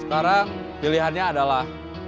sekarang pilihannya adalah